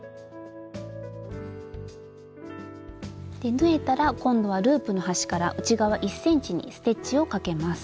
縫えたら今度はループの端から内側１ｃｍにステッチをかけます。